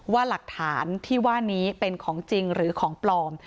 ว่าหลักฐานที่ว่านี้เป็นของจริงหรือของปลอม